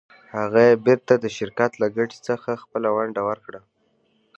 هغه یې بېرته د شرکت له ګټې څخه خپله ونډه ورکړه.